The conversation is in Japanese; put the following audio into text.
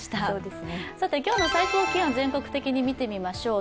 今日の最高気温、全国的に見ていきましょう。